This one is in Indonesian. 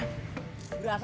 kamu baru berangkat